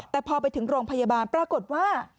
แต่พอไปถึงโรงพยาบาลปรากฏว่า